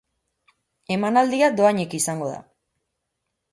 Emanaldia dohainik izango da.